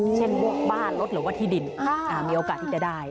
เช่นพวกบ้านรถหรือว่าที่ดินมีโอกาสที่จะได้